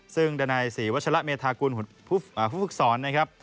ซึ่งดนาศิวชะละเมธากุลฝึกศรนะครับ